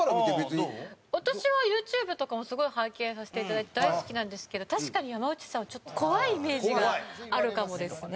広瀬：私はユーチューブとかもすごい拝見させていただいて大好きなんですけど確かに、山内さんはちょっと怖いイメージがあるかもですね。